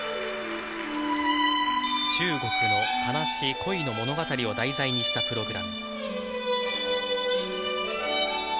中国の悲しい恋の物語を題材にしたプログラム。